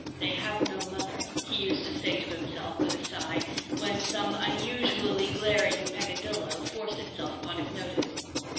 "They have no mother," he used to say to himself, with a sigh, when some unusually glaring peccadillo forced itself upon his notice.